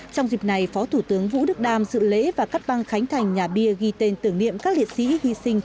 trong dịp này phó thủ tướng vũ đức đam dự lễ và cắt băng khánh thành nhà bia ghi tên tưởng niệm các liệt sĩ hy sinh